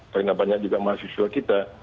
karena banyak juga mahasiswa kita